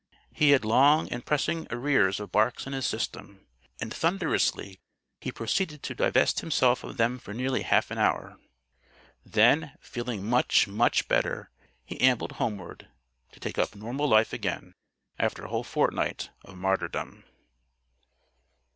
He had long and pressing arrears of barks in his system. And thunderously he proceeded to divest himself of them for nearly half an hour. Then, feeling much, much better, he ambled homeward, to take up normal life again after a whole fortnight of martyrdom.